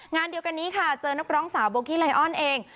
งานเดียวกันนี้ค่ะเจอนักร้องสาวโบกี้ไลออนเอง